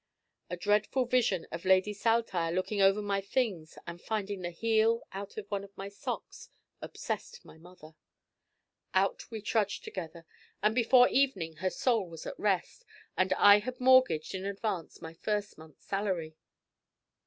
A dreadful vision of Lady Saltire looking over my things and finding the heel out of one of my socks obsessed my mother. Out we trudged together, and before evening her soul was at rest, and I had mortgaged in advance my first month's salary.